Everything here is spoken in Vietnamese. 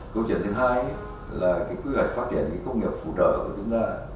câu chuyện thứ hai là quy hoạch phát triển công nghiệp phụ trợ của chúng ta